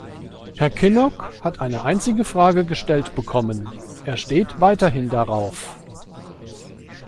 Herr Kinnock hat eine einzige Frage gestellt bekommen. Er steht weiterhin darauf.